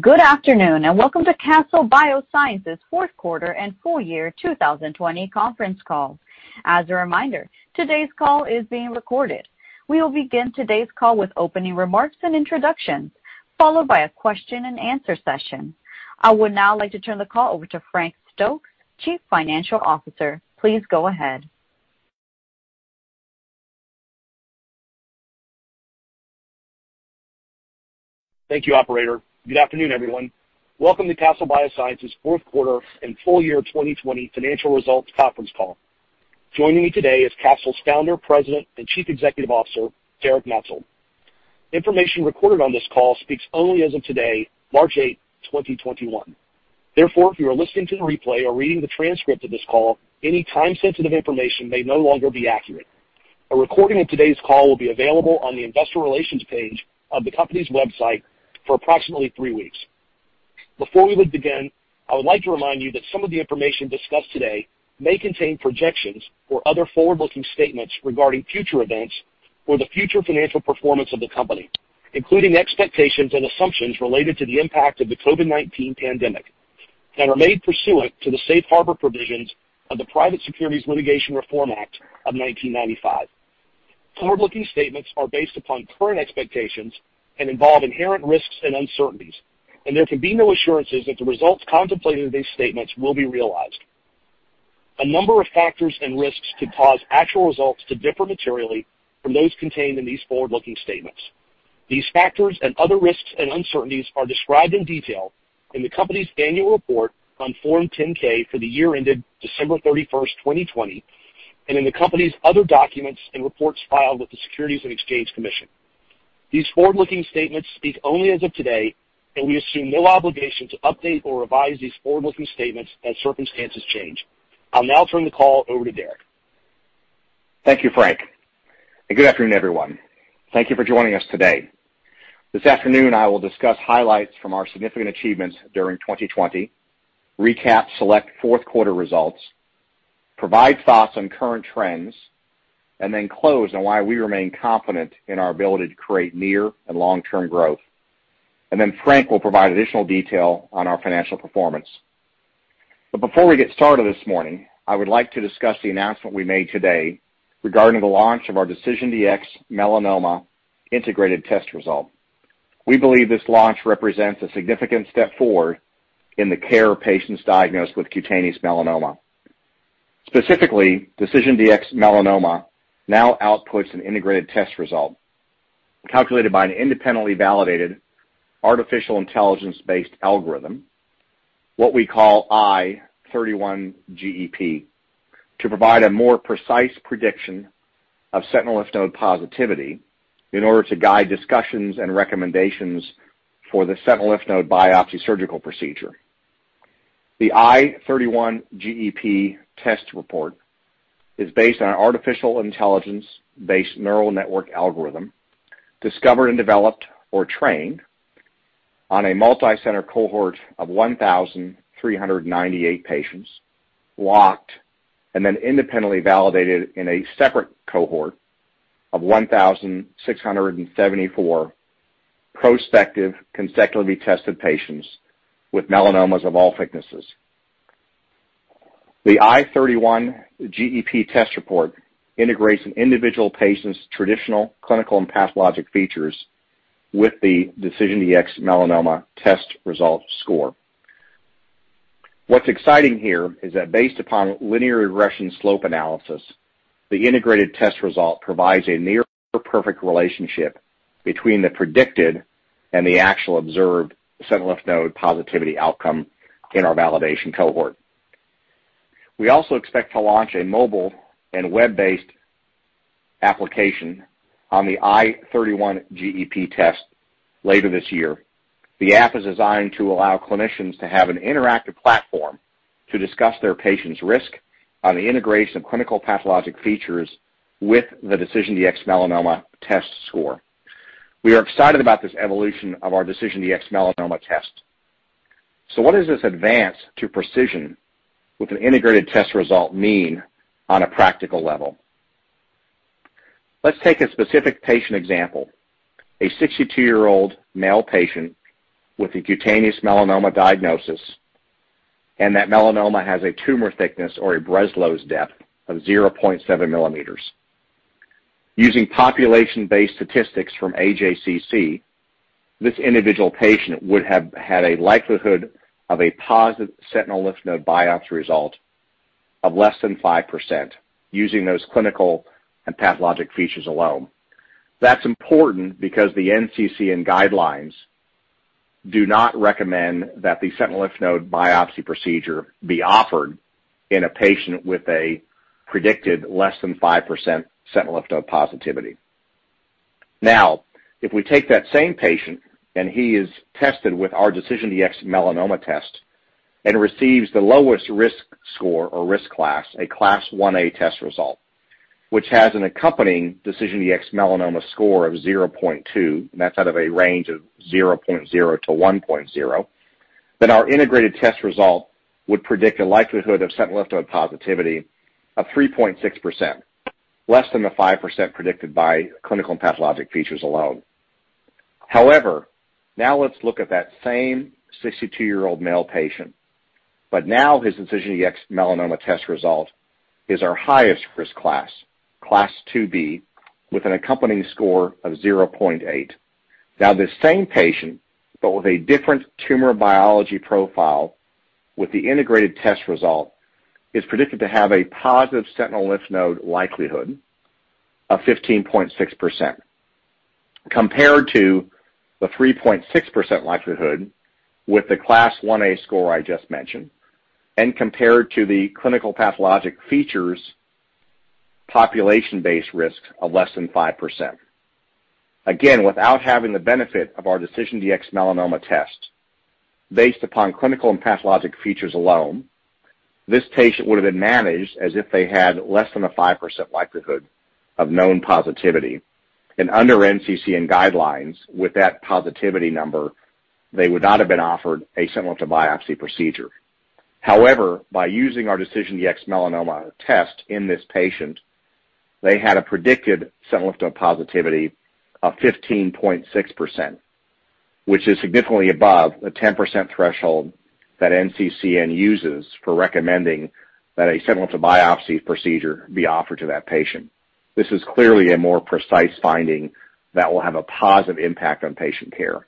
Good afternoon, and welcome to Castle Biosciences' fourth quarter and full year 2020 conference call. As a reminder, today's call is being recorded. We will begin today's call with opening remarks and introductions, followed by a question-and-answer session. I would now like to turn the call over to Frank Stokes, Chief Financial Officer. Please go ahead. Thank you, Operator. Good afternoon, everyone. Welcome to Castle Biosciences' fourth quarter and full year 2020 financial results conference call. Joining me today is Castle's Founder, President, and Chief Executive Officer, Derek Maetzold. Information recorded on this call speaks only as of today, March 8, 2021. Therefore, if you are listening to the replay or reading the transcript of this call, any time-sensitive information may no longer be accurate. A recording of today's call will be available on the Investor Relations page of the company's website for approximately three weeks. Before we begin, I would like to remind you that some of the information discussed today may contain projections or other forward-looking statements regarding future events or the future financial performance of the company, including expectations and assumptions related to the impact of the COVID-19 pandemic that are made pursuant to the safe harbor provisions of the Private Securities Litigation Reform Act of 1995. Forward-looking statements are based upon current expectations and involve inherent risks and uncertainties, and there can be no assurances that the results contemplated in these statements will be realized. A number of factors and risks could cause actual results to differ materially from those contained in these forward-looking statements. These factors and other risks and uncertainties are described in detail in the company's annual report on Form 10-K for the year ended December 31, 2020, and in the company's other documents and reports filed with the Securities and Exchange Commission. These forward-looking statements speak only as of today, and we assume no obligation to update or revise these forward-looking statements as circumstances change. I'll now turn the call over to Derek. Thank you, Frank. Good afternoon, everyone. Thank you for joining us today. This afternoon, I will discuss highlights from our significant achievements during 2020, recap select fourth quarter results, provide thoughts on current trends, and close on why we remain confident in our ability to create near and long-term growth. Frank will provide additional detail on our financial performance. Before we get started this morning, I would like to discuss the announcement we made today regarding the launch of our DecisionDx-Melanoma Integrated Test Result. We believe this launch represents a significant step forward in the care of patients diagnosed with cutaneous melanoma. Specifically, DecisionDx-Melanoma now outputs an integrated test result calculated by an independently validated artificial intelligence-based algorithm, what we call I31-GEP, to provide a more precise prediction of sentinel lymph node positivity in order to guide discussions and recommendations for the sentinel lymph node biopsy surgical procedure. The I31-GEP test report is based on an artificial intelligence-based neural network algorithm discovered and developed or trained on a multicenter cohort of 1,398 patients locked and then independently validated in a separate cohort of 1,674 prospective consecutively tested patients with melanomas of all thicknesses. The I31-GEP test report integrates individual patients' traditional clinical and pathologic features with the DecisionDx-Melanoma test result score. What's exciting here is that based upon linear regression slope analysis, the integrated test result provides a near-perfect relationship between the predicted and the actual observed sentinel lymph node positivity outcome in our validation cohort. We also expect to launch a mobile and web-based application on the I31-GEP test later this year. The app is designed to allow clinicians to have an interactive platform to discuss their patients' risk on the integration of clinicopathologic features with the DecisionDx-Melanoma test score. We are excited about this evolution of our DecisionDx-Melanoma test. What does this advance to precision with an integrated test result mean on a practical level? Let's take a specific patient example: a 62-year-old male patient with a cutaneous melanoma diagnosis, and that melanoma has a tumor thickness or a Breslow's depth of 0.7 millimeters. Using population-based statistics from AJCC, this individual patient would have had a likelihood of a positive sentinel lymph node biopsy result of less than 5% using those clinical and pathologic features alone. That's important because the NCCN guidelines do not recommend that the sentinel lymph node biopsy procedure be offered in a patient with a predicted less than 5% sentinel lymph node positivity. Now, if we take that same patient and he is tested with our DecisionDx-Melanoma test and receives the lowest risk score or risk class, a Class 1A test result, which has an accompanying DecisionDx-Melanoma score of 0.2, and that's out of a range of 0.0-1.0, then our integrated test result would predict a likelihood of sentinel lymph node positivity of 3.6%, less than the 5% predicted by clinical and pathologic features alone. However, now let's look at that same 62-year-old male patient, but now his DecisionDx-Melanoma test result is our highest risk class, Class 2B, with an accompanying score of 0.8. Now, this same patient, but with a different tumor biology profile with the integrated test result, is predicted to have a positive sentinel lymph node likelihood of 15.6%, compared to the 3.6% likelihood with the Class 1A score I just mentioned, and compared to the clinical pathologic features population-based risk of less than 5%. Again, without having the benefit of our DecisionDx-Melanoma test based upon clinical and pathologic features alone, this patient would have been managed as if they had less than a 5% likelihood of known positivity. Under NCCN guidelines, with that positivity number, they would not have been offered a sentinel lymph node biopsy procedure. However, by using our DecisionDx-Melanoma test in this patient, they had a predicted sentinel lymph node positivity of 15.6%, which is significantly above the 10% threshold that NCCN uses for recommending that a sentinel lymph node biopsy procedure be offered to that patient. This is clearly a more precise finding that will have a positive impact on patient care.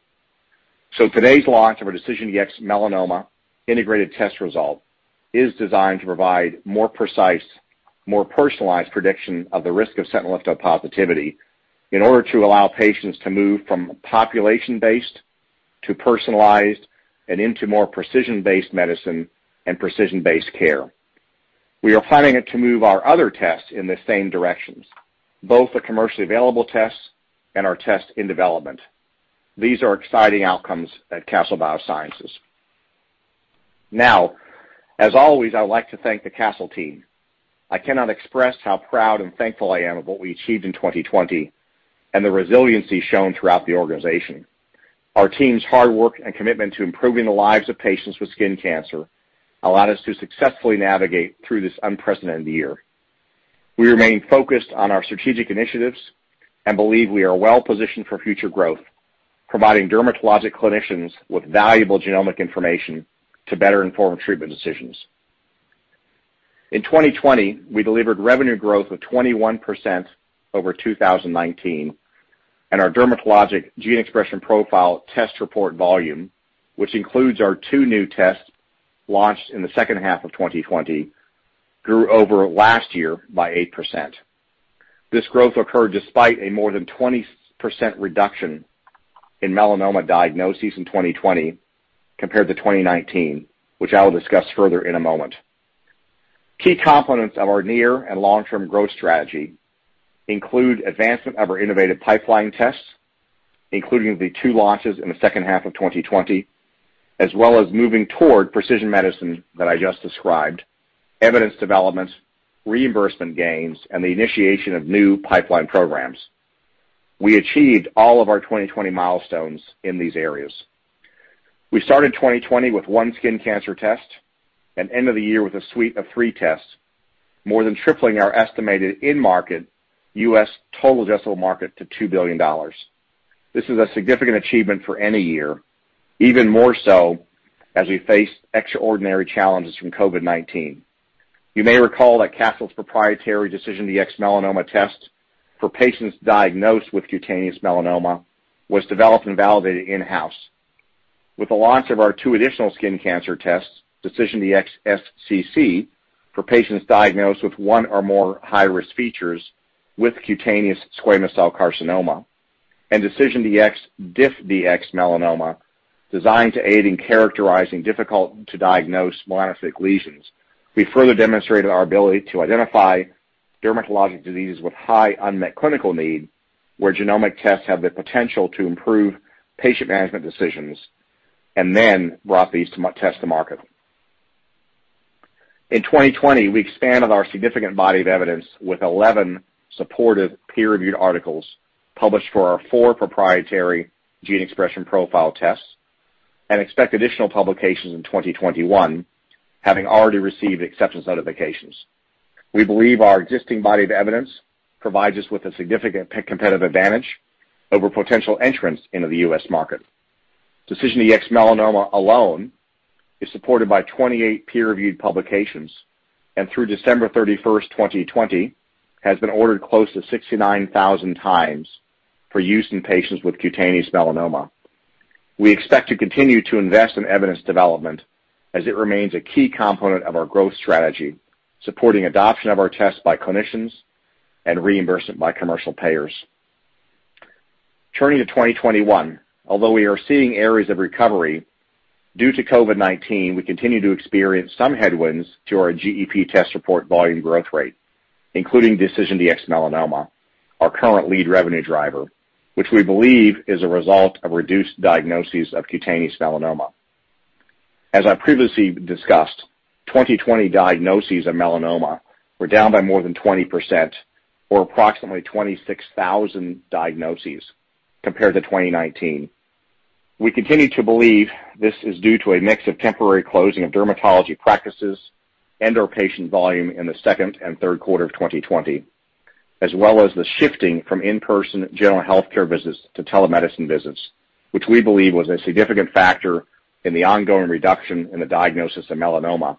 Today's launch of our DecisionDx-Melanoma Integrated Test Result is designed to provide more precise, more personalized prediction of the risk of sentinel lymph node positivity in order to allow patients to move from population-based to personalized and into more precision-based medicine and precision-based care. We are planning to move our other tests in the same directions, both the commercially available tests and our tests in development. These are exciting outcomes at Castle Biosciences. As always, I would like to thank the Castle team. I cannot express how proud and thankful I am of what we achieved in 2020 and the resiliency shown throughout the organization. Our team's hard work and commitment to improving the lives of patients with skin cancer allowed us to successfully navigate through this unprecedented year. We remain focused on our strategic initiatives and believe we are well positioned for future growth, providing dermatologic clinicians with valuable genomic information to better inform treatment decisions. In 2020, we delivered revenue growth of 21% over 2019, and our dermatologic gene expression profile test report volume, which includes our two new tests launched in the second half of 2020, grew over last year by 8%. This growth occurred despite a more than 20% reduction in melanoma diagnoses in 2020 compared to 2019, which I will discuss further in a moment. Key components of our near and long-term growth strategy include advancement of our innovative pipeline tests, including the two launches in the second half of 2020, as well as moving toward precision medicine that I just described, evidence development, reimbursement gains, and the initiation of new pipeline programs. We achieved all of our 2020 milestones in these areas. We started 2020 with one skin cancer test and ended the year with a suite of three tests, more than tripling our estimated in-market U.S. total addressable market to $2 billion. This is a significant achievement for any year, even more so as we face extraordinary challenges from COVID-19. You may recall that Castle's proprietary DecisionDx-Melanoma test for patients diagnosed with cutaneous melanoma was developed and validated in-house. With the launch of our two additional skin cancer tests, DecisionDx-SCC for patients diagnosed with one or more high-risk features with cutaneous squamous cell carcinoma, and DecisionDx-DiffDx Melanoma designed to aid in characterizing difficult-to-diagnose melanocytic lesions, we further demonstrated our ability to identify dermatologic diseases with high unmet clinical need where genomic tests have the potential to improve patient management decisions and then brought these tests to market. In 2020, we expanded our significant body of evidence with 11 supportive peer-reviewed articles published for our four proprietary gene expression profile tests and expect additional publications in 2021, having already received acceptance notifications. We believe our existing body of evidence provides us with a significant competitive advantage over potential entrants into the U.S. market. DecisionDx-Melanoma alone is supported by 28 peer-reviewed publications and through December 31, 2020, has been ordered close to 69,000 times for use in patients with cutaneous melanoma. We expect to continue to invest in evidence development as it remains a key component of our growth strategy, supporting adoption of our tests by clinicians and reimbursement by commercial payers. Turning to 2021, although we are seeing areas of recovery due to COVID-19, we continue to experience some headwinds to our GEP test report volume growth rate, including DecisionDx-Melanoma, our current lead revenue driver, which we believe is a result of reduced diagnoses of cutaneous melanoma. As I previously discussed, 2020 diagnoses of melanoma were down by more than 20%, or approximately 26,000 diagnoses compared to 2019. We continue to believe this is due to a mix of temporary closing of dermatology practices and/or patient volume in the second and third quarter of 2020, as well as the shifting from in-person general healthcare visits to telemedicine visits, which we believe was a significant factor in the ongoing reduction in the diagnosis of melanoma,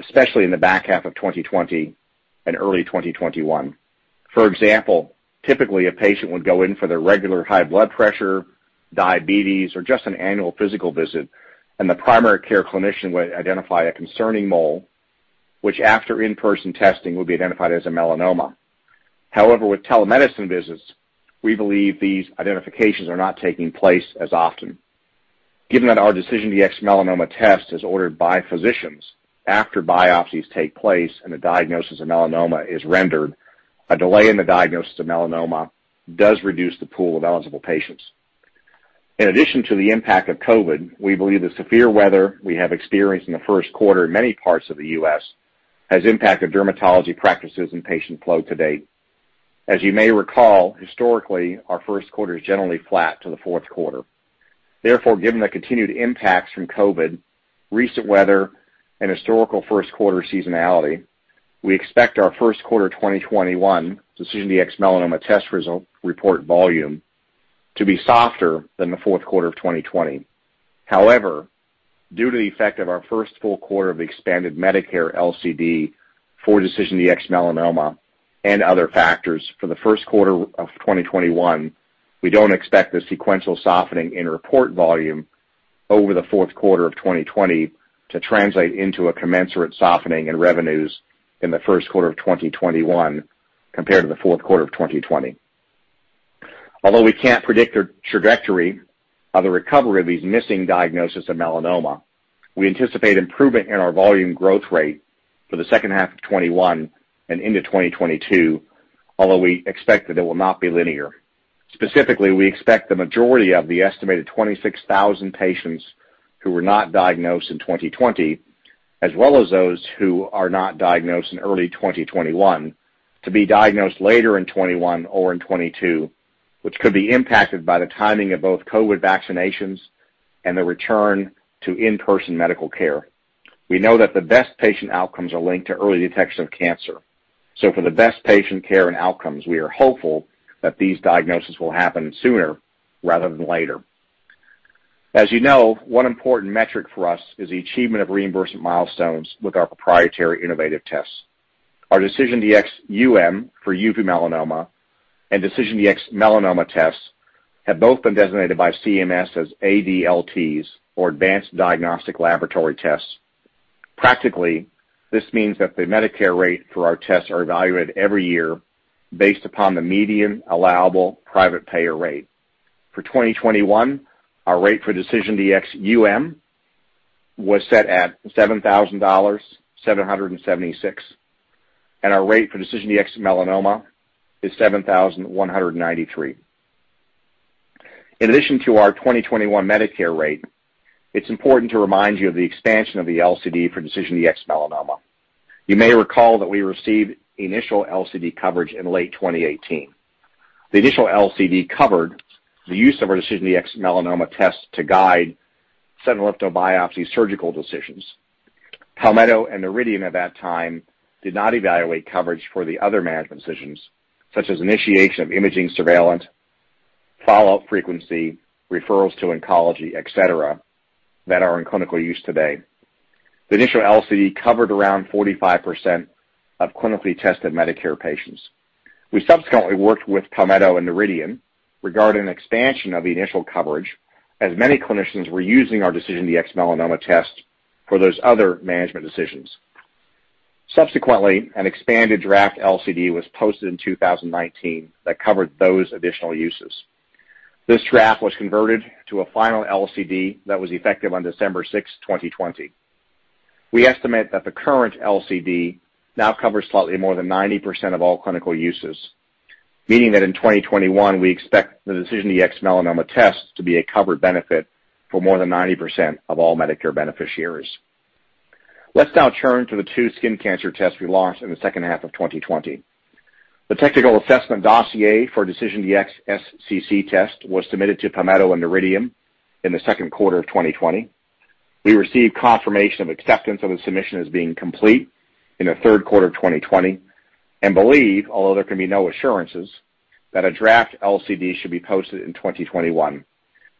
especially in the back half of 2020 and early 2021. For example, typically, a patient would go in for their regular high blood pressure, diabetes, or just an annual physical visit, and the primary care clinician would identify a concerning mole, which after in-person testing would be identified as a melanoma. However, with telemedicine visits, we believe these identifications are not taking place as often. Given that our DecisionDx-Melanoma test is ordered by physicians after biopsies take place and the diagnosis of melanoma is rendered, a delay in the diagnosis of melanoma does reduce the pool of eligible patients. In addition to the impact of COVID, we believe the severe weather we have experienced in the first quarter in many parts of the U.S. has impacted dermatology practices and patient flow to date. As you may recall, historically, our first quarter is generally flat to the fourth quarter. Therefore, given the continued impacts from COVID, recent weather, and historical first quarter seasonality, we expect our first quarter 2021 DecisionDx-Melanoma test result report volume to be softer than the fourth quarter of 2020. However, due to the effect of our first full quarter of expanded Medicare LCD for DecisionD- Melanoma and other factors for the first quarter of 2021, we don't expect the sequential softening in report volume over the fourth quarter of 2020 to translate into a commensurate softening in revenues in the first quarter of 2021 compared to the fourth quarter of 2020. Although we can't predict the trajectory of the recovery of these missing diagnoses of melanoma, we anticipate improvement in our volume growth rate for the second half of 2021 and into 2022, although we expect that it will not be linear. Specifically, we expect the majority of the estimated 26,000 patients who were not diagnosed in 2020, as well as those who are not diagnosed in early 2021, to be diagnosed later in 2021 or in 2022, which could be impacted by the timing of both COVID vaccinations and the return to in-person medical care. We know that the best patient outcomes are linked to early detection of cancer. For the best patient care and outcomes, we are hopeful that these diagnoses will happen sooner rather than later. As you know, one important metric for us is the achievement of reimbursement milestones with our proprietary innovative tests. Our DecisionDx-UM and DecisionDx-Melanoma tests have both been designated by CMS as ADLTs, or Advanced Diagnostic Laboratory Tests. Practically, this means that the Medicare rate for our tests are evaluated every year based upon the median allowable private payer rate. For 2021, our rate for DecisionDx was set at $7,776, and our rate for DecisionDx-Melanoma is $7,193. In addition to our 2021 Medicare rate, it's important to remind you of the expansion of the LCD for DecisionDx-Melanoma. You may recall that we received initial LCD coverage in late 2018. The initial LCD covered the use of our DecisionD- Melanoma tests to guide sentinel lymph node biopsy surgical decisions. Palmetto and Meridian at that time did not evaluate coverage for the other management decisions, such as initiation of imaging surveillance, follow-up frequency, referrals to oncology, etc., that are in clinical use today. The initial LCD covered around 45% of clinically tested Medicare patients. We subsequently worked with Palmetto and Meridian regarding expansion of the initial coverage, as many clinicians were using our DecisionDx-Melanoma test for those other management decisions. Subsequently, an expanded draft LCD was posted in 2019 that covered those additional uses. This draft was converted to a final LCD that was effective on December 6, 2020. We estimate that the current LCD now covers slightly more than 90% of all clinical uses, meaning that in 2021, we expect the DecisionDx-Melanoma test to be a covered benefit for more than 90% of all Medicare beneficiaries. Let's now turn to the two skin cancer tests we launched in the second half of 2020. The technical assessment dossier for DecisionDx-SCC test was submitted to Palmetto and Meridian in the second quarter of 2020. We received confirmation of acceptance of the submission as being complete in the third quarter of 2020 and believe, although there can be no assurances, that a draft LCD should be posted in 2021.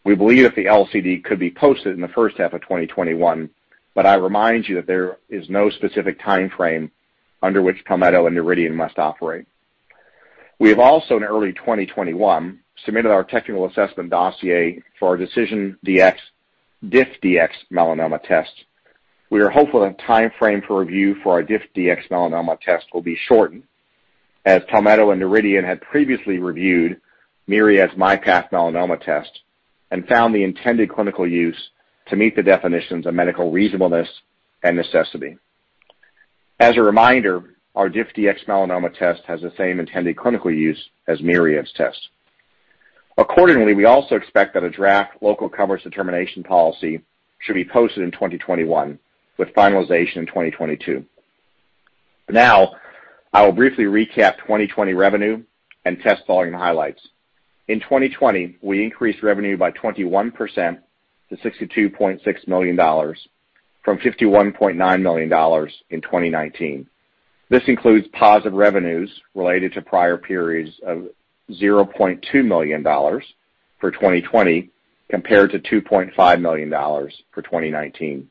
We believe that the LCD could be posted in the first half of 2021, but I remind you that there is no specific timeframe under which Palmetto and Meridian must operate. We have also, in early 2021, submitted our technical assessment dossier for our DecisionDx-DiffDx Melanoma test. We are hopeful that the timeframe for review for our DiffDx Melanoma test will be shortened, as Palmetto and Meridian had previously reviewed Myriad's MyPath Melanoma test and found the intended clinical use to meet the definitions of medical reasonableness and necessity. As a reminder, our DiffDx Melanoma test has the same intended clinical use as Myriad's test. Accordingly, we also expect that a draft local coverage determination policy should be posted in 2021, with finalization in 2022. Now, I will briefly recap 2020 revenue and test volume highlights. In 2020, we increased revenue by 21% to $62.6 million, from $51.9 million in 2019. This includes positive revenues related to prior periods of $0.2 million for 2020 compared to $2.5 million for 2019.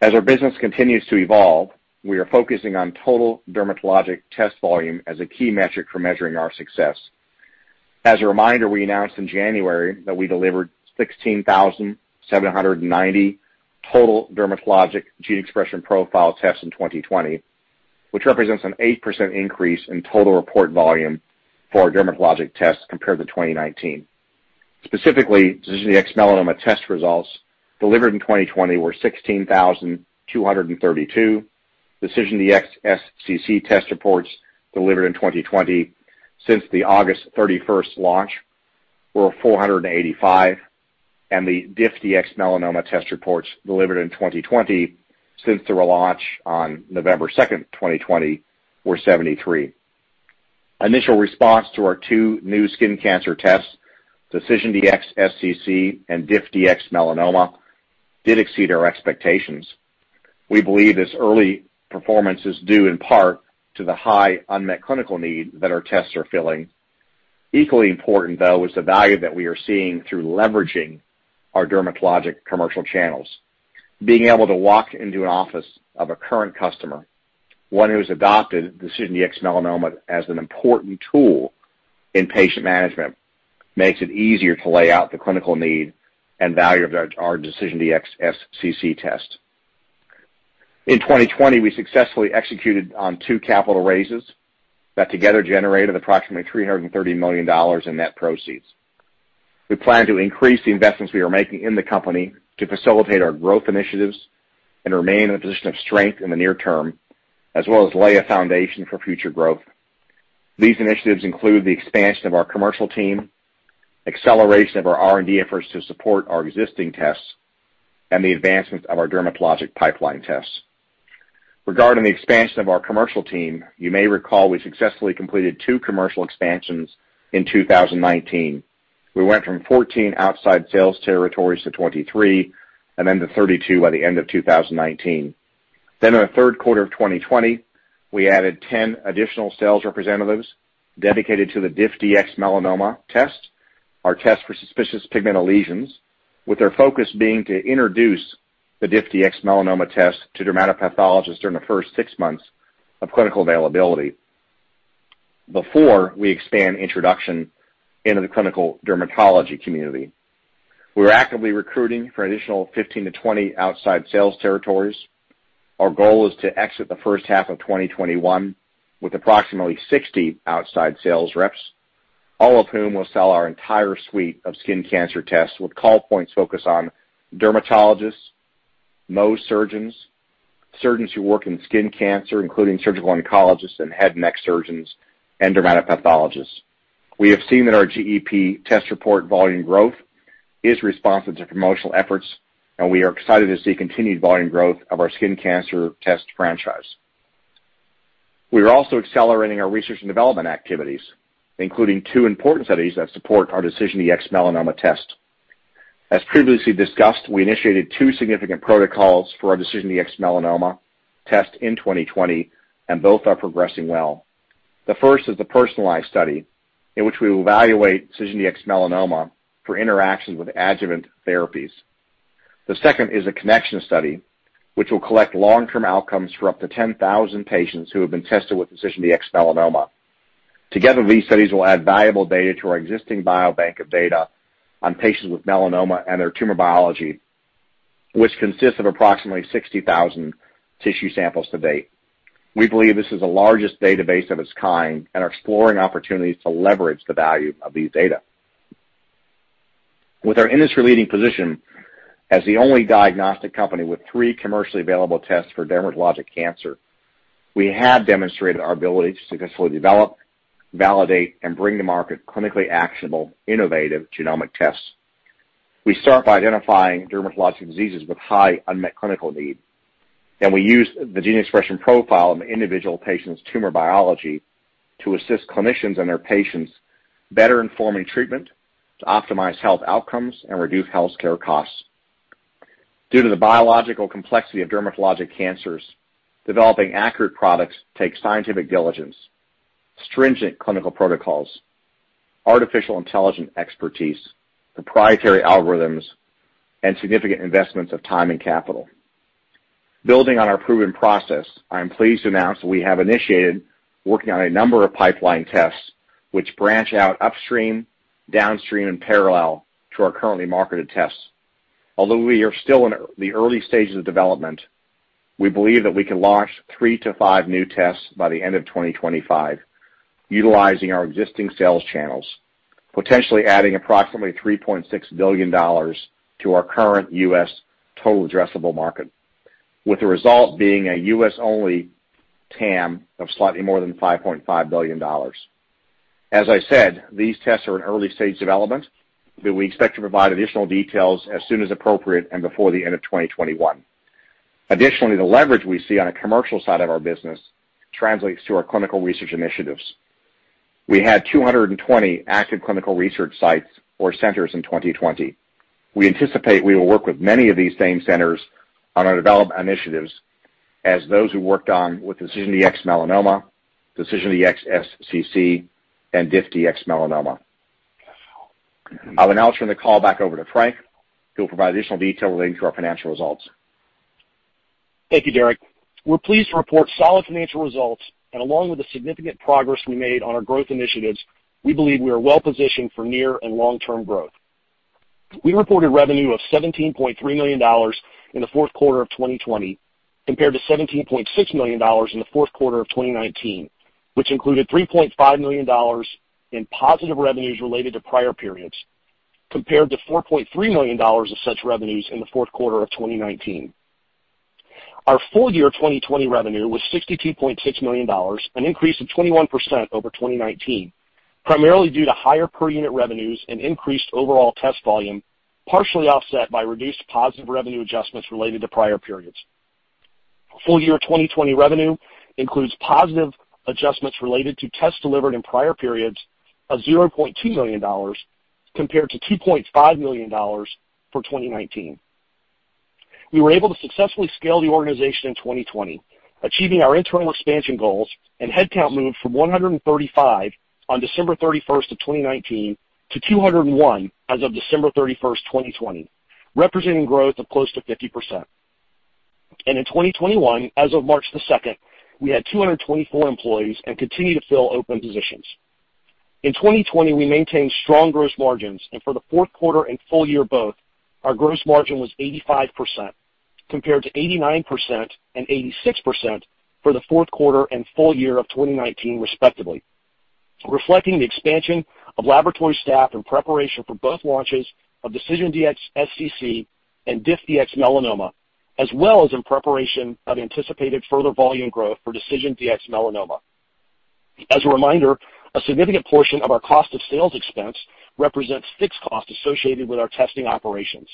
As our business continues to evolve, we are focusing on total dermatologic test volume as a key metric for measuring our success. As a reminder, we announced in January that we delivered 16,790 total dermatologic gene expression profile tests in 2020, which represents an 8% increase in total report volume for dermatologic tests compared to 2019. Specifically, DecisionDx-Melanoma test results delivered in 2020 were 16,232. DecisionDx-SCC test reports delivered in 2020 since the August 31 launch were 485, and the DiffDx Melanoma test reports delivered in 2020 since the relaunch on November 2, 2020, were 73. Initial response to our two new skin cancer tests, DecisionDx-SCC and DiffDx-Melanoma, did exceed our expectations. We believe this early performance is due, in part, to the high unmet clinical need that our tests are filling. Equally important, though, is the value that we are seeing through leveraging our dermatologic commercial channels. Being able to walk into an office of a current customer, one who has adopted DecisionDx-Melanoma as an important tool in patient management, makes it easier to lay out the clinical need and value of our DecisionDx-SCC test. In 2020, we successfully executed on two capital raises that together generated approximately $330 million in net proceeds. We plan to increase the investments we are making in the company to facilitate our growth initiatives and remain in a position of strength in the near term, as well as lay a foundation for future growth. These initiatives include the expansion of our commercial team, acceleration of our R&D efforts to support our existing tests, and the advancement of our dermatologic pipeline tests. Regarding the expansion of our commercial team, you may recall we successfully completed two commercial expansions in 2019. We went from 14 outside sales territories to 23, and then to 32 by the end of 2019. In the third quarter of 2020, we added 10 additional sales representatives dedicated to the DiffDx-Melanoma test, our test for suspicious pigmental lesions, with our focus being to introduce the DiffDx-Melanoma test to dermatopathologists during the first six months of clinical availability before we expand introduction into the clinical dermatology community. We are actively recruiting for an additional 15-20 outside sales territories. Our goal is to exit the first half of 2021 with approximately 60 outside sales reps, all of whom will sell our entire suite of skin cancer tests with call points focused on dermatologists, Mohs surgeons, surgeons who work in skin cancer, including surgical oncologists and head and neck surgeons, and dermatopathologists. We have seen that our GEP test report volume growth is responsive to promotional efforts, and we are excited to see continued volume growth of our skin cancer test franchise. We are also accelerating our research and development activities, including two important studies that support our DecisionDx-Melanoma test. As previously discussed, we initiated two significant protocols for our DecisionDx-Melanoma test in 2020, and both are progressing well. The first is the personalized study in which we will evaluate DecisionDx-Melanoma for interactions with adjuvant therapies. The second is a connection study, which will collect long-term outcomes for up to 10,000 patients who have been tested with DecisionDx-Melanoma. Together, these studies will add valuable data to our existing biobank of data on patients with melanoma and their tumor biology, which consists of approximately 60,000 tissue samples to date. We believe this is the largest database of its kind and are exploring opportunities to leverage the value of these data. With our industry-leading position as the only diagnostic company with three commercially available tests for dermatologic cancer, we have demonstrated our ability to successfully develop, validate, and bring to market clinically actionable, innovative genomic tests. We start by identifying dermatologic diseases with high unmet clinical need, and we use the gene expression profile of an individual patient's tumor biology to assist clinicians and their patients better informing treatment to optimize health outcomes and reduce healthcare costs. Due to the biological complexity of dermatologic cancers, developing accurate products takes scientific diligence, stringent clinical protocols, artificial intelligence expertise, proprietary algorithms, and significant investments of time and capital. Building on our proven process, I am pleased to announce that we have initiated working on a number of pipeline tests which branch out upstream, downstream, and parallel to our currently marketed tests. Although we are still in the early stages of development, we believe that we can launch three to five new tests by the end of 2025, utilizing our existing sales channels, potentially adding approximately $3.6 billion to our current U.S. total addressable market, with the result being a U.S.-only TAM of slightly more than $5.5 billion. As I said, these tests are in early stage development, but we expect to provide additional details as soon as appropriate and before the end of 2021. Additionally, the leverage we see on the commercial side of our business translates to our clinical research initiatives. We had 220 active clinical research sites or centers in 2020. We anticipate we will work with many of these same centers on our development initiatives as those who worked on with DecisionDx-Melanoma, DecisionDx-SCC, and DiffDx Melanoma. I'll now turn the call back over to Frank, who will provide additional detail relating to our financial results. Thank you, Derek. We're pleased to report solid financial results, and along with the significant progress we made on our growth initiatives, we believe we are well-positioned for near and long-term growth. We reported revenue of $17.3 million in the fourth quarter of 2020 compared to $17.6 million in the fourth quarter of 2019, which included $3.5 million in positive revenues related to prior periods compared to $4.3 million of such revenues in the fourth quarter of 2019. Our full year 2020 revenue was $62.6 million, an increase of 21% over 2019, primarily due to higher per-unit revenues and increased overall test volume, partially offset by reduced positive revenue adjustments related to prior periods. Full year 2020 revenue includes positive adjustments related to tests delivered in prior periods of $0.2 million compared to $2.5 million for 2019. We were able to successfully scale the organization in 2020, achieving our internal expansion goals and headcount moved from 135 on December 31 of 2019 to 201 as of December 31, 2020, representing growth of close to 50%. In 2021, as of March the 2nd, we had 224 employees and continue to fill open positions. In 2020, we maintained strong gross margins, and for the fourth quarter and full year both, our gross margin was 85% compared to 89% and 86% for the fourth quarter and full year of 2019, respectively, reflecting the expansion of laboratory staff in preparation for both launches of DecisionDx-SCC and DecisionDx -DiffDx Melanoma, as well as in preparation of anticipated further volume growth for DecisionDx-Melanoma. As a reminder, a significant portion of our cost of sales expense represents fixed costs associated with our testing operations.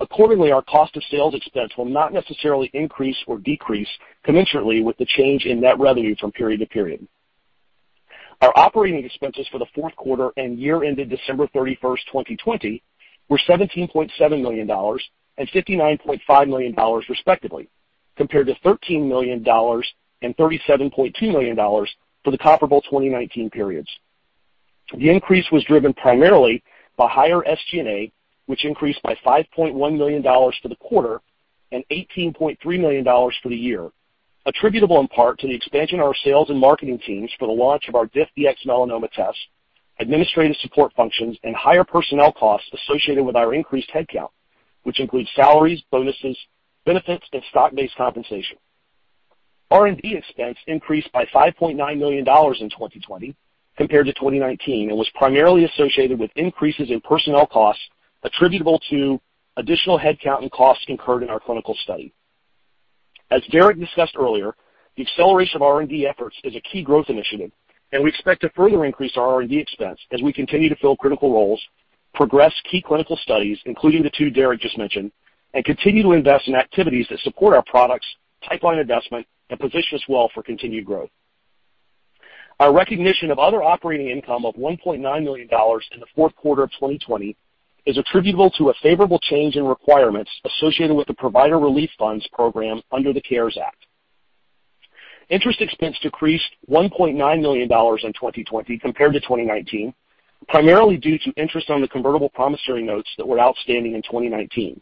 Accordingly, our cost of sales expense will not necessarily increase or decrease commensurately with the change in net revenue from period to period. Our operating expenses for the fourth quarter and year-ended December 31, 2020, were $17.7 million and $59.5 million, respectively, compared to $13 million and $37.2 million for the comparable 2019 periods. The increase was driven primarily by higher SG&A, which increased by $5.1 million for the quarter and $18.3 million for the year, attributable in part to the expansion of our sales and marketing teams for the launch of our DiffDx-Melanoma test, administrative support functions, and higher personnel costs associated with our increased headcount, which includes salaries, bonuses, benefits, and stock-based compensation. R&D expense increased by $5.9 million in 2020 compared to 2019 and was primarily associated with increases in personnel costs attributable to additional headcount and costs incurred in our clinical study. As Derek discussed earlier, the acceleration of R&D efforts is a key growth initiative, and we expect to further increase our R&D expense as we continue to fill critical roles, progress key clinical studies, including the two Derek just mentioned, and continue to invest in activities that support our products, pipeline investment, and position us well for continued growth. Our recognition of other operating income of $1.9 million in the fourth quarter of 2020 is attributable to a favorable change in requirements associated with the Provider Relief Funds Program under the CARES Act. Interest expense decreased $1.9 million in 2020 compared to 2019, primarily due to interest on the convertible promissory notes that were outstanding in 2019.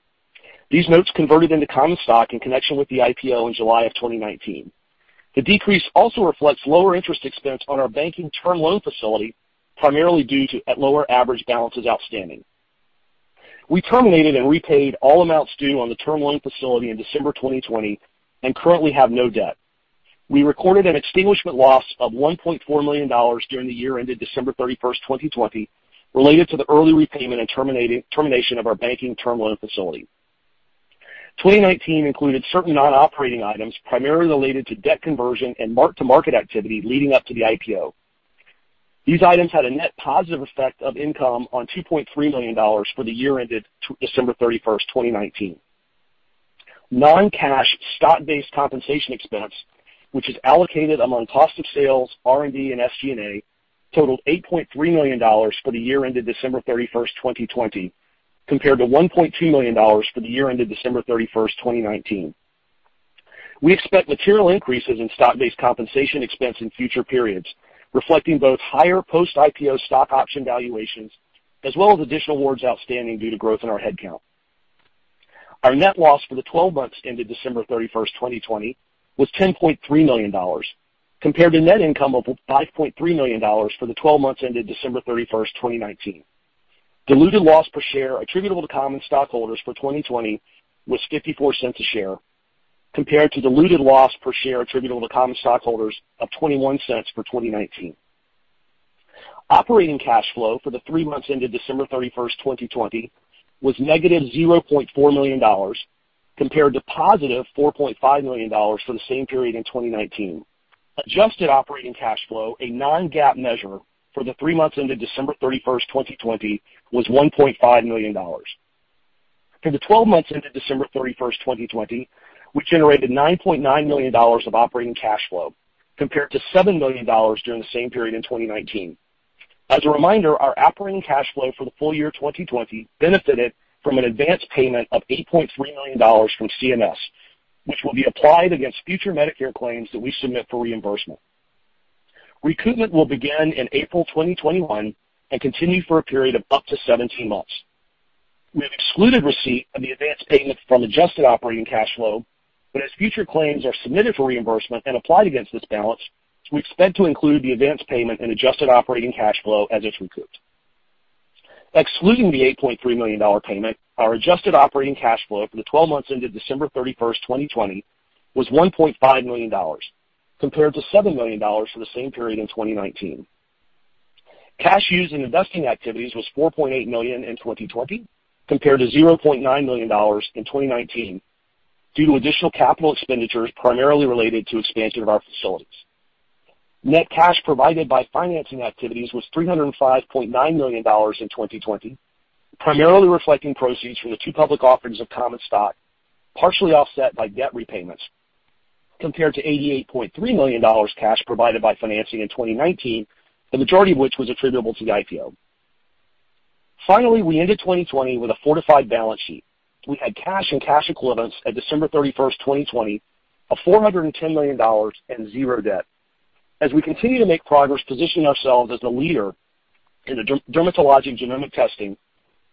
These notes converted into common stock in connection with the IPO in July of 2019. The decrease also reflects lower interest expense on our banking term loan facility, primarily due to lower average balances outstanding. We terminated and repaid all amounts due on the term loan facility in December 2020 and currently have no debt. We recorded an extinguishment loss of $1.4 million during the year-ended December 31, 2020, related to the early repayment and termination of our banking term loan facility. 2019 included certain non-operating items primarily related to debt conversion and mark-to-market activity leading up to the IPO. These items had a net positive effect of income on $2.3 million for the year-ended December 31, 2019. Non-cash stock-based compensation expense, which is allocated among cost of sales, R&D, and SG&A, totaled $8.3 million for the year ended December 31, 2020, compared to $1.2 million for the year ended December 31, 2019. We expect material increases in stock-based compensation expense in future periods, reflecting both higher post-IPO stock option valuations as well as additional awards outstanding due to growth in our headcount. Our net loss for the 12 months ended December 31, 2020, was $10.3 million, compared to net income of $5.3 million for the 12 months ended December 31, 2019. Diluted loss per share attributable to common stockholders for 2020 was $0.54 a share, compared to diluted loss per share attributable to common stockholders of $0.21 for 2019. Operating cash flow for the three months ended December 31, 2020, was negative $0.4 million, compared to positive $4.5 million for the same period in 2019. Adjusted operating cash flow, a non-GAAP measure, for the three months ended December 31, 2020, was $1.5 million. For the 12 months ended December 31, 2020, we generated $9.9 million of operating cash flow, compared to $7 million during the same period in 2019. As a reminder, our operating cash flow for the full year 2020 benefited from an advance payment of $8.3 million from CMS, which will be applied against future Medicare claims that we submit for reimbursement. Recruitment will begin in April 2021 and continue for a period of up to 17 months. We have excluded receipt of the advance payment from adjusted operating cash flow, but as future claims are submitted for reimbursement and applied against this balance, we expect to include the advance payment and adjusted operating cash flow as it's recruited. Excluding the $8.3 million payment, our adjusted operating cash flow for the 12 months ended December 31, 2020, was $1.5 million, compared to $7 million for the same period in 2019. Cash used in investing activities was $4.8 million in 2020, compared to $0.9 million in 2019 due to additional capital expenditures primarily related to expansion of our facilities. Net cash provided by financing activities was $305.9 million in 2020, primarily reflecting proceeds from the two public offerings of common stock, partially offset by debt repayments, compared to $88.3 million cash provided by financing in 2019, the majority of which was attributable to the IPO. Finally, we ended 2020 with a fortified balance sheet. We had cash and cash equivalents at December 31, 2020, of $410 million and zero debt. As we continue to make progress, positioning ourselves as the leader in dermatologic genomic testing,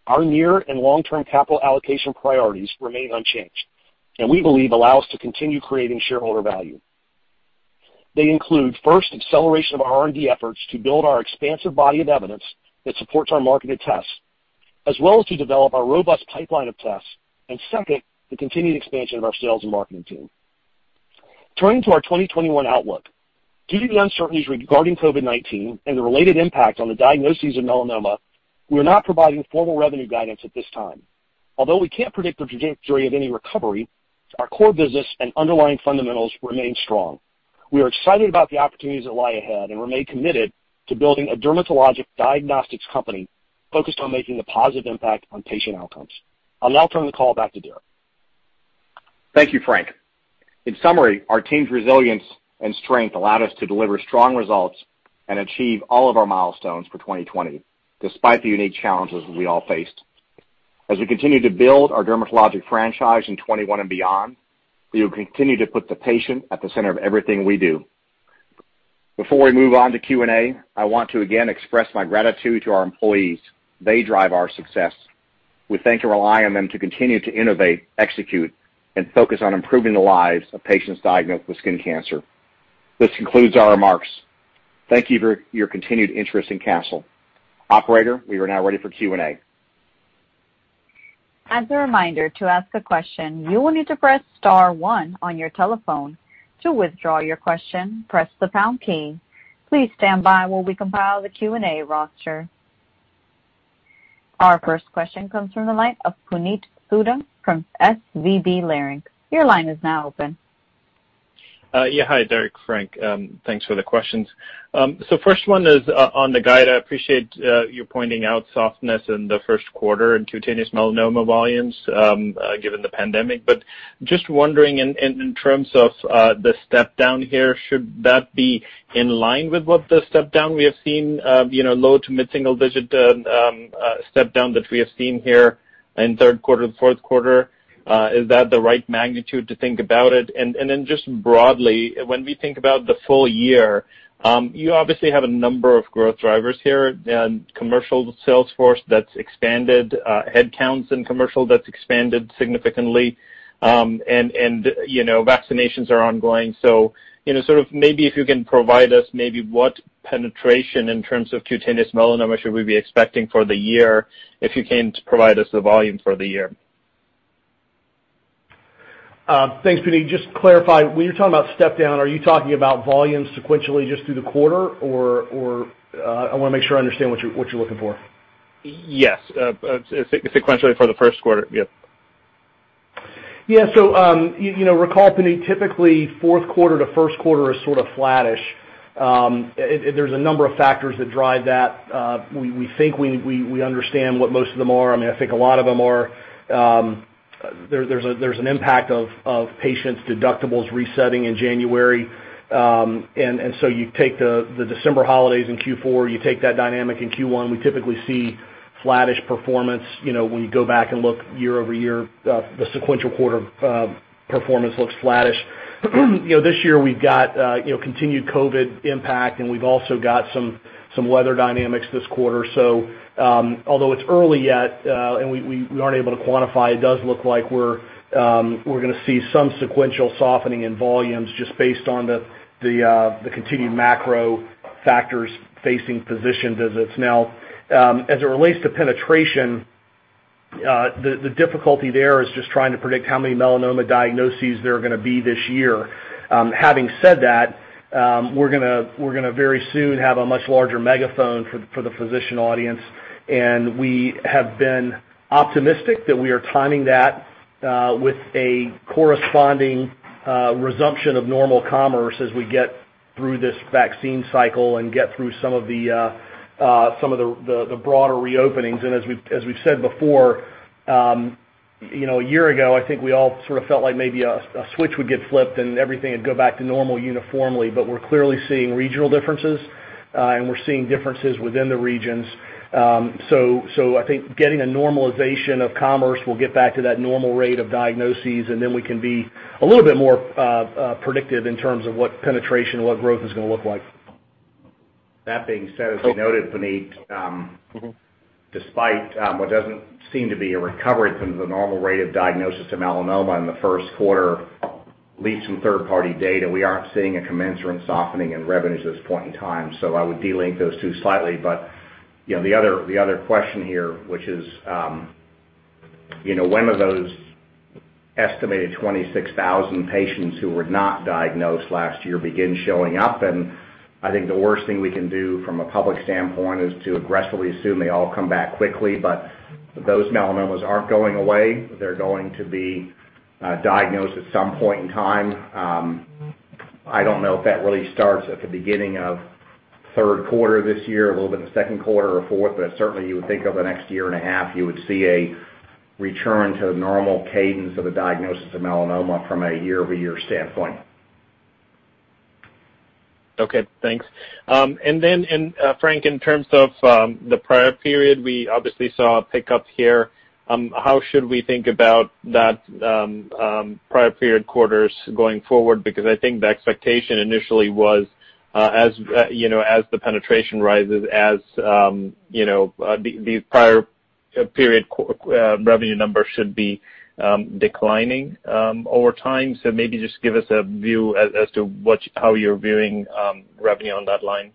our near and long-term capital allocation priorities remain unchanged, and we believe allow us to continue creating shareholder value. They include, first, acceleration of our R&D efforts to build our expansive body of evidence that supports our marketed tests, as well as to develop our robust pipeline of tests, and second, the continued expansion of our sales and marketing team. Turning to our 2021 outlook, due to the uncertainties regarding COVID-19 and the related impact on the diagnoses of melanoma, we are not providing formal revenue guidance at this time. Although we can't predict the trajectory of any recovery, our core business and underlying fundamentals remain strong. We are excited about the opportunities that lie ahead and remain committed to building a dermatologic diagnostics company focused on making a positive impact on patient outcomes. I'll now turn the call back to Derek. Thank you, Frank. In summary, our team's resilience and strength allowed us to deliver strong results and achieve all of our milestones for 2020, despite the unique challenges we all faced. As we continue to build our dermatologic franchise in 2021 and beyond, we will continue to put the patient at the center of everything we do. Before we move on to Q&A, I want to again express my gratitude to our employees. They drive our success. We thank and rely on them to continue to innovate, execute, and focus on improving the lives of patients diagnosed with skin cancer. This concludes our remarks. Thank you for your continued interest in Castle. Operator, we are now ready for Q&A. As a reminder to ask a question, you will need to press star one on your telephone. To withdraw your question, press the pound key. Please stand by while we compile the Q&A roster. Our first question comes from the line of Puneet Souda from SVB Learning. Your line is now open. Yeah. Hi, Derek. Frank. Thanks for the questions. First one is on the guide. I appreciate you pointing out softness in the first quarter and cutaneous melanoma volumes given the pandemic. Just wondering, in terms of the step down here, should that be in line with what the step down we have seen, low to mid-single digit step down that we have seen here in third quarter and fourth quarter? Is that the right magnitude to think about it? Just broadly, when we think about the full year, you obviously have a number of growth drivers here, commercial Salesforce that's expanded, headcounts in commercial that's expanded significantly, and vaccinations are ongoing. Sort of maybe if you can provide us maybe what penetration in terms of cutaneous melanoma should we be expecting for the year, if you can provide us the volume for the year. Thanks, Puneet. Just to clarify, when you're talking about step down, are you talking about volume sequentially just through the quarter, or I want to make sure I understand what you're looking for? Yes. Sequentially for the first quarter. Yep. Recall, Puneet, typically fourth quarter to first quarter is sort of flattish. There's a number of factors that drive that. We think we understand what most of them are. I mean, I think a lot of them are there's an impact of patients' deductibles resetting in January. You take the December holidays in Q4, you take that dynamic in Q1, we typically see flattish performance. When you go back and look year-over-year, the sequential quarter performance looks flattish. This year we've got continued COVID impact, and we've also got some weather dynamics this quarter. Although it's early yet and we aren't able to quantify, it does look like we're going to see some sequential softening in volumes just based on the continued macro factors facing physician visits. Now, as it relates to penetration, the difficulty there is just trying to predict how many melanoma diagnoses there are going to be this year. Having said that, we're going to very soon have a much larger megaphone for the physician audience, and we have been optimistic that we are timing that with a corresponding resumption of normal commerce as we get through this vaccine cycle and get through some of the broader reopenings. As we've said before, a year ago, I think we all sort of felt like maybe a switch would get flipped and everything would go back to normal uniformly, but we're clearly seeing regional differences, and we're seeing differences within the regions. I think getting a normalization of commerce, we'll get back to that normal rate of diagnoses, and then we can be a little bit more predictive in terms of what penetration and what growth is going to look like. That being said, as we noted, Puneet, despite what doesn't seem to be a recovery from the normal rate of diagnosis of melanoma in the first quarter, at least from third-party data, we aren't seeing a commensurate softening in revenues at this point in time. I would delink those two slightly. The other question here, which is, when are those estimated 26,000 patients who were not diagnosed last year begin showing up? I think the worst thing we can do from a public standpoint is to aggressively assume they all come back quickly. Those melanomas are not going away. They are going to be diagnosed at some point in time. I do not know if that really starts at the beginning of third quarter this year, a little bit in the second quarter or fourth, but certainly you would think over the next year and a half you would see a return to normal cadence of the diagnosis of melanoma from a year-over-year standpoint. Okay. Thanks. Then, Frank, in terms of the prior period, we obviously saw a pickup here. How should we think about that prior period quarters going forward? Because I think the expectation initially was, as the penetration rises, the prior period revenue number should be declining over time. Maybe just give us a view as to how you're viewing revenue on that line.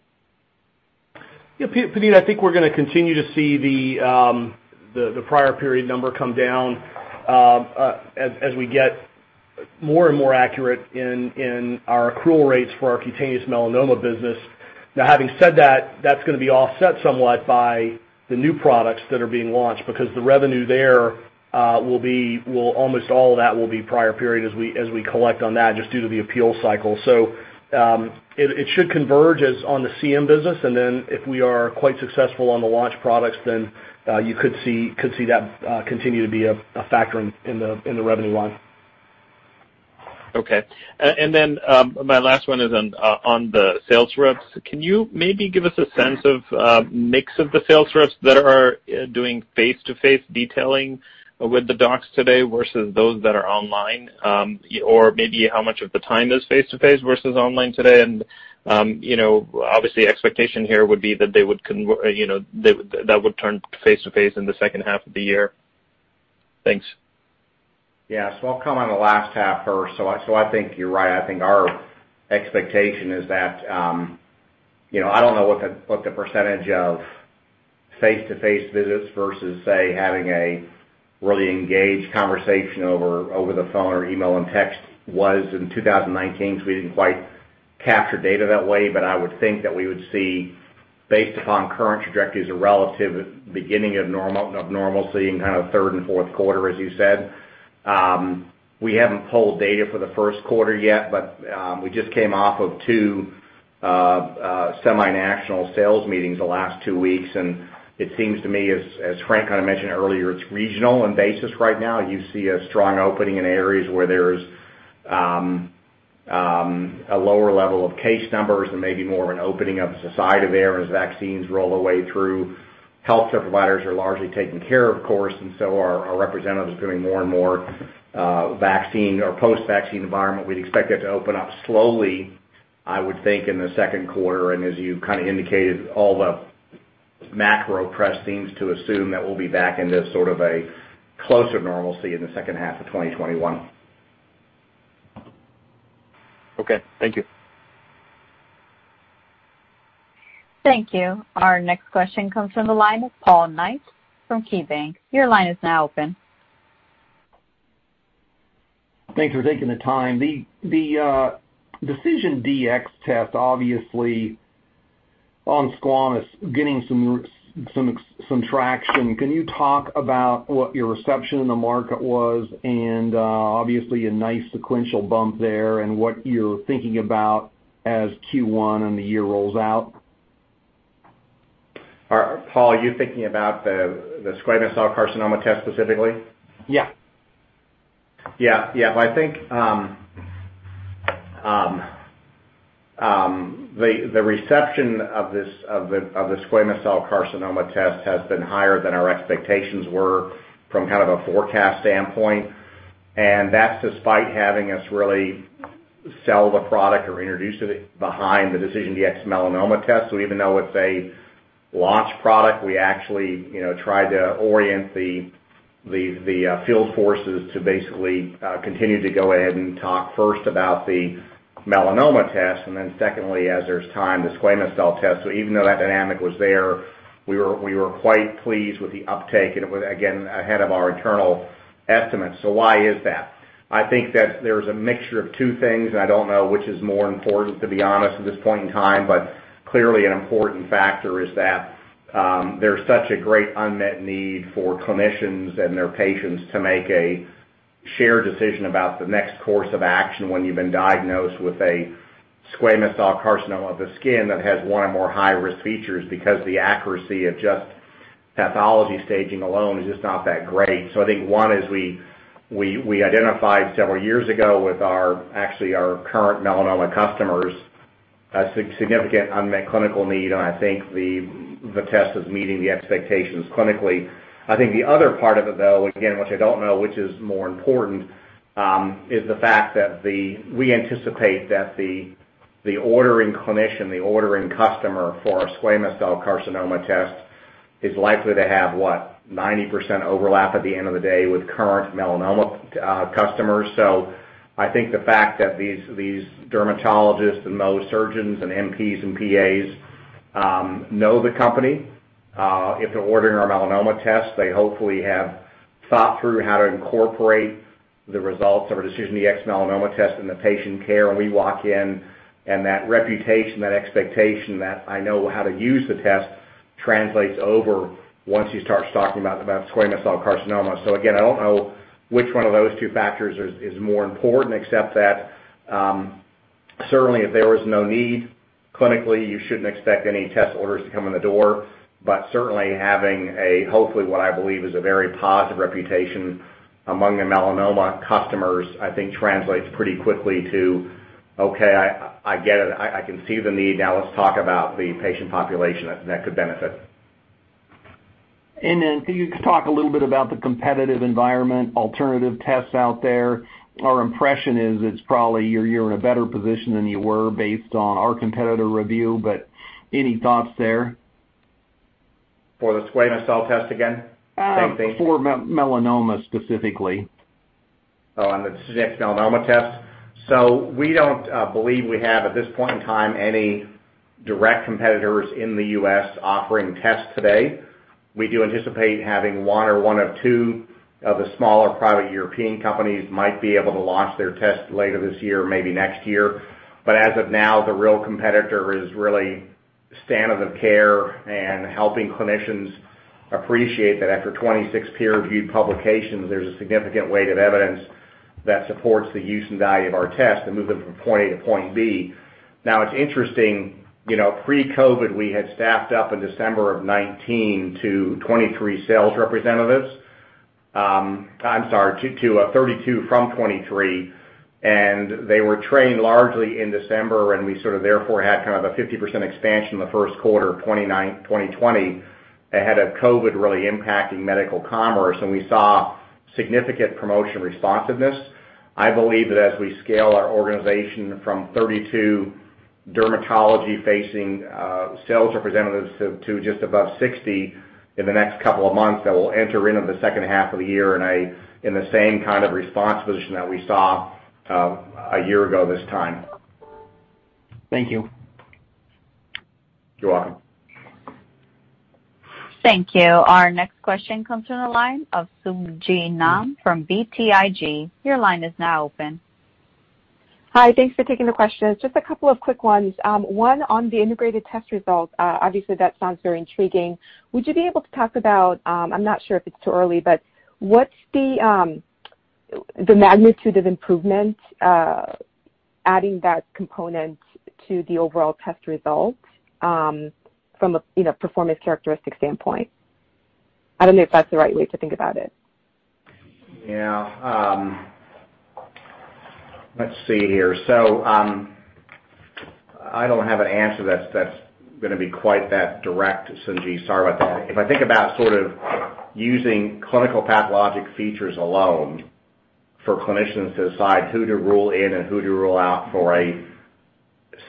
Yeah. Puneet, I think we're going to continue to see the prior period number come down as we get more and more accurate in our accrual rates for our cutaneous melanoma business. Now, having said that, that's going to be offset somewhat by the new products that are being launched because the revenue there will be almost all of that will be prior period as we collect on that just due to the appeal cycle. It should converge on the CM business, and if we are quite successful on the launch products, then you could see that continue to be a factor in the revenue line. Okay. And then my last one is on the sales reps. Can you maybe give us a sense of mix of the sales reps that are doing face-to-face detailing with the docs today versus those that are online? Or maybe how much of the time is face-to-face versus online today? Obviously, expectation here would be that they would turn face-to-face in the second half of the year. Thanks. Yeah. I'll come on the last half first. I think you're right. I think our expectation is that I don't know what the percentage of face-to-face visits versus, say, having a really engaged conversation over the phone or email and text was in 2019, so we didn't quite capture data that way. I would think that we would see, based upon current trajectories, a relative beginning of normalcy in kind of third and fourth quarter, as you said. We haven't pulled data for the first quarter yet, but we just came off of two semi-national sales meetings the last two weeks. It seems to me, as Frank kind of mentioned earlier, it's regional in basis right now. You see a strong opening in areas where there's a lower level of case numbers and maybe more of an opening up to society there as vaccines roll away through. Healthcare providers are largely taken care of, of course. Our representatives are doing more and more vaccine or post-vaccine environment. We'd expect that to open up slowly, I would think, in the second quarter. As you kind of indicated, all the macro press seems to assume that we'll be back into sort of a closer normalcy in the second half of 2021. Okay. Thank you. Thank you. Our next question comes from the line of Paul Knight from KeyBanc. Your line is now open. Thanks for taking the time. The DecisionDx-SCC test obviously on Squam is getting some traction. Can you talk about what your reception in the market was and obviously a nice sequential bump there and what you're thinking about as Q1 and the year rolls out? All right. Paul, are you thinking about the squamous cell carcinoma test specifically? Yeah. Yeah. Yeah. I think the reception of the squamous cell carcinoma test has been higher than our expectations were from kind of a forecast standpoint. That is despite having us really sell the product or introduce it behind the DecisionDx-Melanoma test. Even though it is a launch product, we actually tried to orient the field forces to basically continue to go ahead and talk first about the melanoma test, and then secondly, as there is time, the squamous cell test. Even though that dynamic was there, we were quite pleased with the uptake, again, ahead of our internal estimates. Why is that? I think that there is a mixture of two things, and I do not know which is more important, to be honest, at this point in time. Clearly, an important factor is that there's such a great unmet need for clinicians and their patients to make a shared decision about the next course of action when you've been diagnosed with a squamous cell carcinoma of the skin that has one or more high-risk features because the accuracy of just pathology staging alone is just not that great. I think one, as we identified several years ago with actually our current melanoma customers, a significant unmet clinical need, and I think the test is meeting the expectations clinically. I think the other part of it, though, again, which I don't know which is more important, is the fact that we anticipate that the ordering clinician, the ordering customer for our squamous cell carcinoma test is likely to have, what, 90% overlap at the end of the day with current melanoma customers. I think the fact that these dermatologists and those surgeons and MPs and PAs know the company, if they're ordering our melanoma test, they hopefully have thought through how to incorporate the results of our DecisionDx-Melanoma test in the patient care. We walk in, and that reputation, that expectation that I know how to use the test translates over once you start talking about squamous cell carcinoma. I don't know which one of those two factors is more important, except that certainly, if there was no need clinically, you shouldn't expect any test orders to come in the door. Certainly, having a hopefully what I believe is a very positive reputation among the melanoma customers, I think translates pretty quickly to, "Okay. I get it. I can see the need. Now let's talk about the patient population that could benefit. And then can you talk a little bit about the competitive environment, alternative tests out there? Our impression is it's probably you're in a better position than you were based on our competitor review. But any thoughts there? For the squamous cell test again? Same thing. For melanoma specifically. Oh, on the DecisionDx-Melanoma test. We don't believe we have, at this point in time, any direct competitors in the US offering tests today. We do anticipate having one or one of two of the smaller private European companies might be able to launch their test later this year, maybe next year. As of now, the real competitor is really standard of care and helping clinicians appreciate that after 26 peer-reviewed publications, there's a significant weight of evidence that supports the use and value of our test and moving from point A to point B. It's interesting. Pre-COVID, we had staffed up in December of 2019 to 32 sales representatives from 23. They were trained largely in December, and we sort of therefore had kind of a 50% expansion in the first quarter of 2020 ahead of COVID really impacting medical commerce. We saw significant promotion responsiveness. I believe that as we scale our organization from 32 dermatology-facing sales representatives to just above 60 in the next couple of months, we will enter into the second half of the year in the same kind of response position that we saw a year ago this time. Thank you. You're welcome. Thank you. Our next question comes from the line of Sooji Nam from BTIG. Your line is now open. Hi. Thanks for taking the question. Just a couple of quick ones. One on the integrated test results. Obviously, that sounds very intriguing. Would you be able to talk about—I am not sure if it is too early—but what is the magnitude of improvement adding that component to the overall test result from a performance characteristic standpoint? I do not know if that is the right way to think about it. Yeah. Let's see here. I do not have an answer that is going to be quite that direct, Sooji. Sorry about that. If I think about sort of using clinicopathologic features alone for clinicians to decide who to rule in and who to rule out for a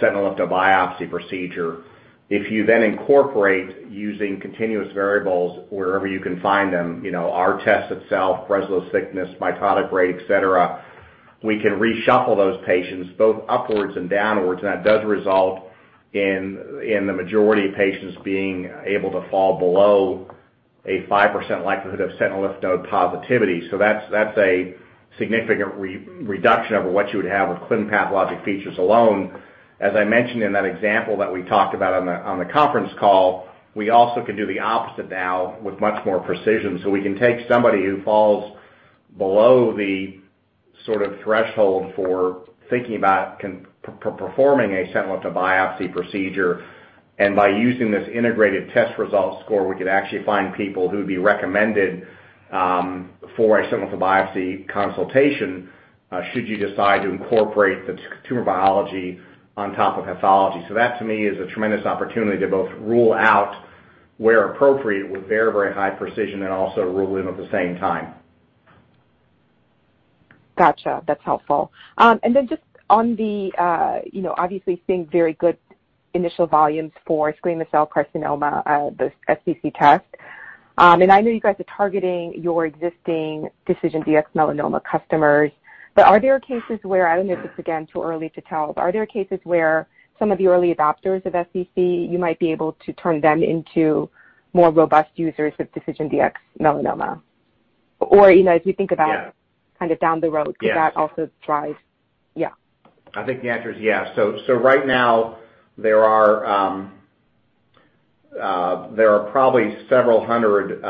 sentinel lymph node biopsy procedure, if you then incorporate using continuous variables wherever you can find them, our test itself, Breslow's thickness, mitotic rate, etc., we can reshuffle those patients both upwards and downwards. That does result in the majority of patients being able to fall below a 5% likelihood of sentinel lymph node positivity. That is a significant reduction over what you would have with clinicopathologic features alone. As I mentioned in that example that we talked about on the conference call, we also can do the opposite now with much more precision. We can take somebody who falls below the sort of threshold for thinking about performing a sentinel lymph node biopsy procedure. By using this integrated test result score, we could actually find people who would be recommended for a sentinel lymph node biopsy consultation should you decide to incorporate the tumor biology on top of pathology. That, to me, is a tremendous opportunity to both rule out where appropriate with very, very high precision and also rule in at the same time. Gotcha. That's helpful. Just on the obviously seeing very good initial volumes for squamous cell carcinoma, the SCC test. I know you guys are targeting your existing DecisionDx-Melanoma customers. Are there cases where—I don't know if it's, again, too early to tell—are there cases where some of the early adopters of SCC, you might be able to turn them into more robust users of DecisionDx Melanoma? As we think about kind of down the road, could that also drive? Yeah. I think the answer is yes. Right now, there are probably several hundred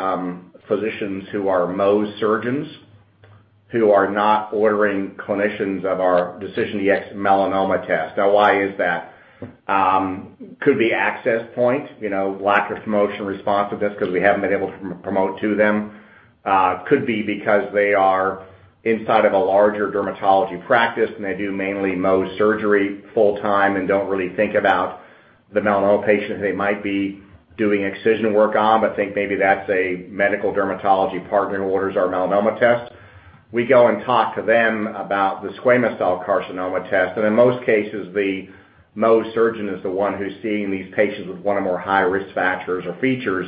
physicians who are Mohs surgeons who are not ordering clinicians of our DecisionDx-Melanoma test. Why is that? Could be access point, lack of promotion responsiveness because we haven't been able to promote to them. Could be because they are inside of a larger dermatology practice, and they do mainly Mohs surgery full-time and don't really think about the melanoma patient they might be doing excision work on, but think maybe that's a medical dermatology partner who orders our melanoma test. We go and talk to them about the squamous cell carcinoma test. In most cases, the Mohs surgeon is the one who's seeing these patients with one or more high-risk factors or features.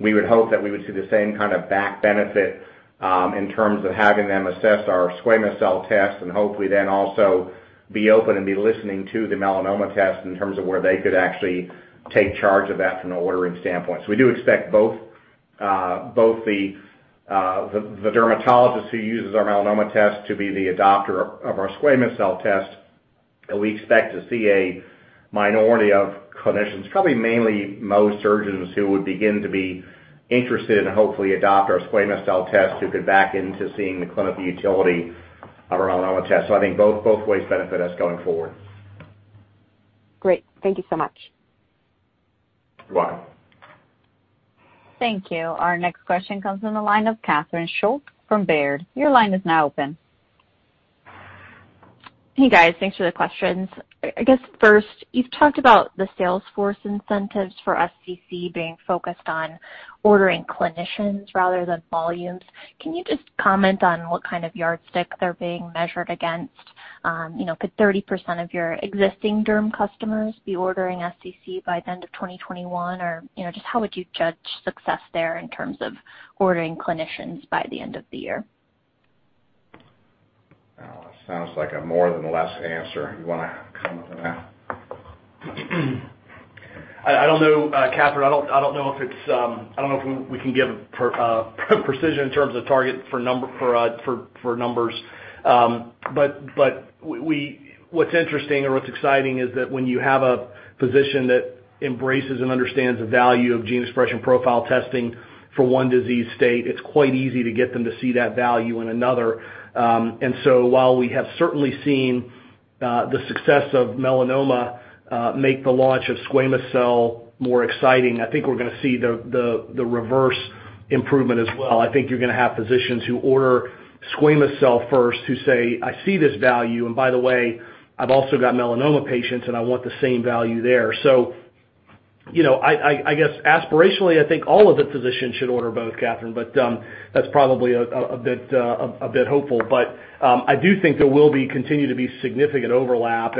We would hope that we would see the same kind of back benefit in terms of having them assess our squamous cell test and hopefully then also be open and be listening to the melanoma test in terms of where they could actually take charge of that from an ordering standpoint. We do expect both the dermatologist who uses our melanoma test to be the adopter of our squamous cell test. We expect to see a minority of clinicians, probably mainly Mohs surgeons, who would begin to be interested in hopefully adopting our squamous cell test who could back into seeing the clinical utility of our melanoma test. I think both ways benefit us going forward. Great. Thank you so much. You're welcome. Thank you. Our next question comes from the line of Catherine Schulte from Baird. Your line is now open. Hey, guys. Thanks for the questions. I guess first, you've talked about the Salesforce incentives for SCC being focused on ordering clinicians rather than volumes. Can you just comment on what kind of yardstick they're being measured against? Could 30% of your existing derm customers be ordering SCC by the end of 2021? Or just how would you judge success there in terms of ordering clinicians by the end of the year? Sounds like a more than less answer. You want to comment on that? I don't know, Catherine. I don't know if it's—I don't know if we can give precision in terms of target for numbers. What's interesting or what's exciting is that when you have a physician that embraces and understands the value of gene expression profile testing for one disease state, it's quite easy to get them to see that value in another. While we have certainly seen the success of melanoma make the launch of squamous cell more exciting, I think we're going to see the reverse improvement as well. I think you're going to have physicians who order squamous cell first who say, "I see this value. And by the way, I've also got melanoma patients, and I want the same value there." I guess aspirationally, I think all of the physicians should order both, Catherine. That's probably a bit hopeful. I do think there will continue to be significant overlap.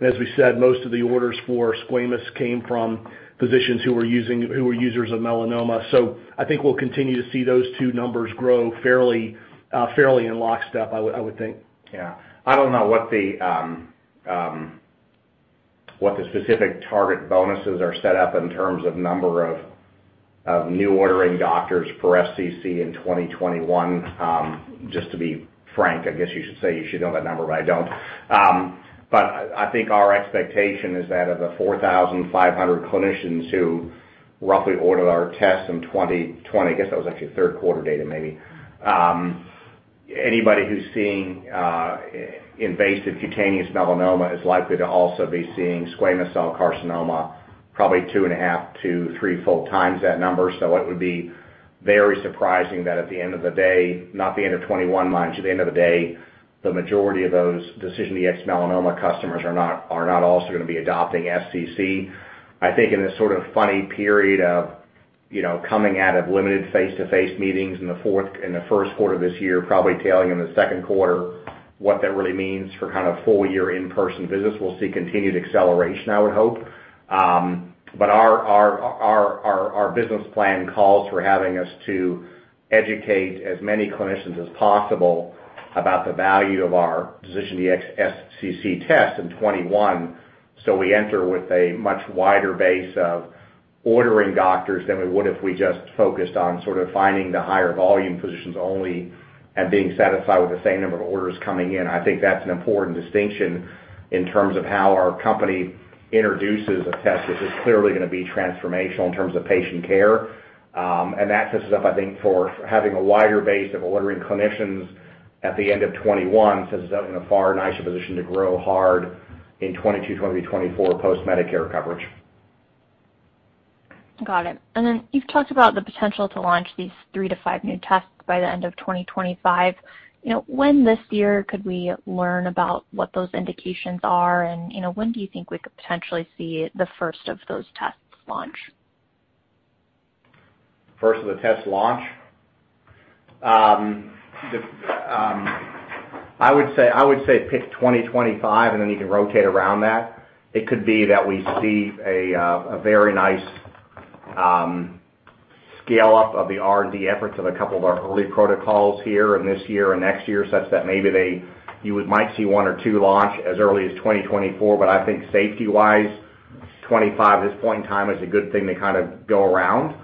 As we said, most of the orders for squamous came from physicians who were users of melanoma. I think we'll continue to see those two numbers grow fairly in lockstep, I would think. Yeah. I don't know what the specific target bonuses are set up in terms of number of new ordering doctors for SCC in 2021. Just to be frank, I guess you should say you should know that number, but I don't. I think our expectation is that of the 4,500 clinicians who roughly ordered our tests in 2020—I guess that was actually third quarter data maybe—anybody who's seeing invasive cutaneous melanoma is likely to also be seeing squamous cell carcinoma probably two and a half to three full times that number. It would be very surprising that at the end of the day, not the end of 2021, mind you, at the end of the day, the majority of those DecisionDx-Melanoma customers are not also going to be adopting SCC. I think in this sort of funny period of coming out of limited face-to-face meetings in the first quarter of this year, probably tailing in the second quarter, what that really means for kind of full-year in-person visits, we'll see continued acceleration, I would hope. Our business plan calls for having us to educate as many clinicians as possible about the value of our DecisionDx-SCC test in 2021 so we enter with a much wider base of ordering doctors than we would if we just focused on sort of finding the higher volume physicians only and being satisfied with the same number of orders coming in. I think that's an important distinction in terms of how our company introduces a test which is clearly going to be transformational in terms of patient care. That sets us up, I think, for having a wider base of ordering clinicians at the end of 2021, sets us up in a far nicer position to grow hard in 2022, 2023, 2024 post-Medicare coverage. Got it. You have talked about the potential to launch these three to five new tests by the end of 2025. When this year could we learn about what those indications are? When do you think we could potentially see the first of those tests launch? First of the tests launch? I would say pick 2025, and then you can rotate around that. It could be that we see a very nice scale-up of the R&D efforts of a couple of our early protocols here and this year and next year such that maybe you might see one or two launch as early as 2024. I think safety-wise, 2025 at this point in time is a good thing to kind of go around.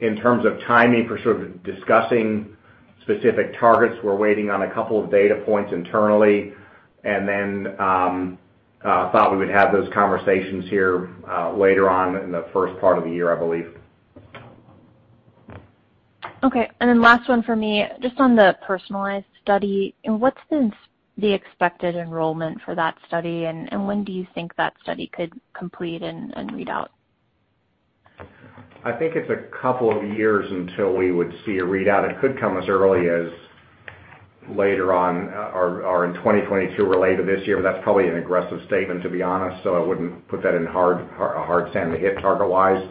In terms of timing for sort of discussing specific targets, we're waiting on a couple of data points internally. I thought we would have those conversations here later on in the first part of the year, I believe. Okay. Last one for me. Just on the personalized study, what's the expected enrollment for that study? When do you think that study could complete and read out? I think it's a couple of years until we would see a readout. It could come as early as later on or in 2022 related to this year. That's probably an aggressive statement, to be honest. I wouldn't put that in a hard sand to hit target-wise.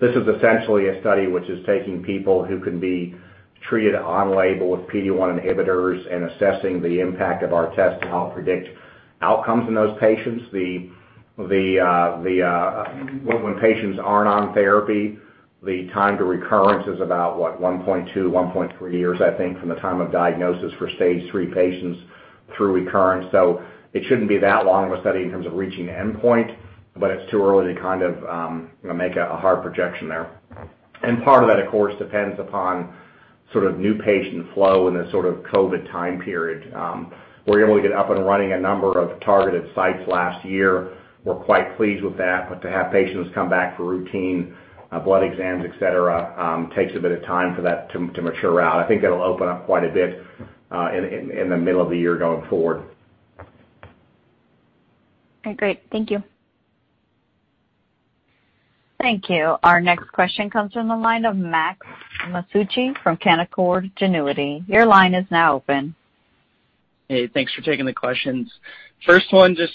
This is essentially a study which is taking people who can be treated on label with PD-1 inhibitors and assessing the impact of our test to help predict outcomes in those patients. When patients are not on therapy, the time to recurrence is about, what, 1.2, 1.3 years, I think, from the time of diagnosis for stage 3 patients through recurrence. It should not be that long of a study in terms of reaching endpoint. It is too early to kind of make a hard projection there. Part of that, of course, depends upon sort of new patient flow in this sort of COVID time period. We are able to get up and running a number of targeted sites last year. We are quite pleased with that. To have patients come back for routine blood exams, etc., takes a bit of time for that to mature out. I think it'll open up quite a bit in the middle of the year going forward. Okay. Great. Thank you. Thank you. Our next question comes from the line of Max Masucci from Canaccord Genuity.Your line is now open. Hey. Thanks for taking the questions. First one, just